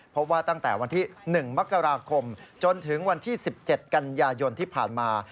พบว่าตั้งแต่วันที่๑มกราคมจนถึงวันที่๑๗กันยายนที่ผ่านมา